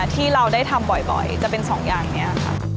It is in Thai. ที่เราได้ทำบ่อยจะเป็นสองอย่างนี้ค่ะ